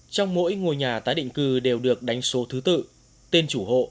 trong mỗi ngôi nhà tái định cư đều được đánh số thứ tự tên chủ hộ